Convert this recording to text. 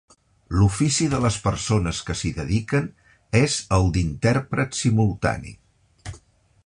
L'ofici de les persones que s'hi dediquen és el d'intèrpret simultani.